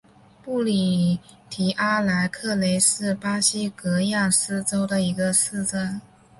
布里蒂阿莱格雷是巴西戈亚斯州的一个市镇。